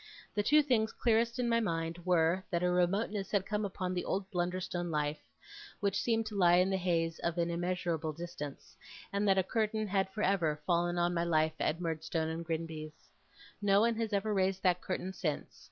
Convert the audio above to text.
The two things clearest in my mind were, that a remoteness had come upon the old Blunderstone life which seemed to lie in the haze of an immeasurable distance; and that a curtain had for ever fallen on my life at Murdstone and Grinby's. No one has ever raised that curtain since.